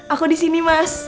aku disini mas